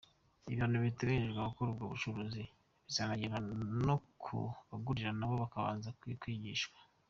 Ibihano biteganyirijwe abakora ubwo bucuruzi bizanagera no ku babagurira nabo bazabanza kwigishwa.